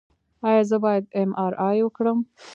ایا زه باید ایم آر آی وکړم؟